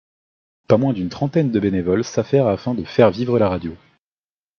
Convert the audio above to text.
Pas moins d'une trentaine de bénévoles s'affairent afin de faire vivre la radio.